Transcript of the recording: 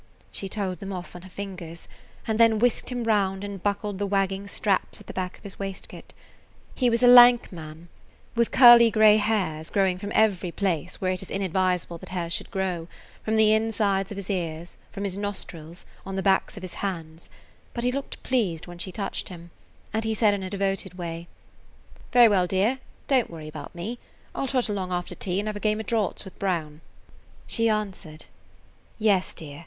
She told them off on her fingers, and then whisked him round and buckled the wagging straps at the back of his waistcoat. He was a lank man, with curly gray hairs growing from every place where it is inadvisable that hairs should grow,–from the inside of his ears, from his nostrils, on the back of his hands,–but he looked pleased when she touched him, and he said in a devoted way: "Very well, dear. Don't worry about me. I 'll trot along after tea and have a game of draughts with Brown." She answered: "Yes, dear.